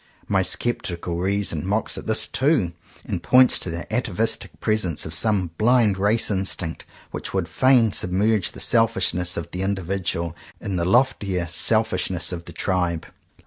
My sceptical reason mocks at this too, and points to the atavistic presence of some blind race instinct which would fain submerge the selfishness of the individual in the loftier selfishness of the tribe.